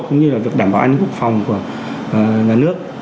cũng như là việc đảm bảo an ninh quốc phòng của nhà nước